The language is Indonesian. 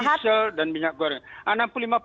ini kalau diesel dan minyak goreng